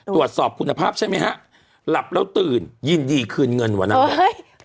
ตรวจสอบคุณภาพใช่ไหมฮะหลับแล้วตื่นยินดีคืนเงินวันนั้นเลย